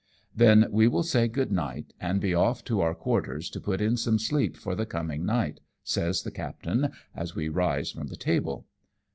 " Then we will say good night, and be off to our quarters to put in some sleep for the coming night," says the captain, as we rise from the table.